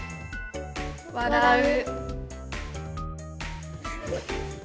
「笑う」。